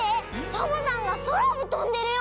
サボさんがそらをとんでるよ！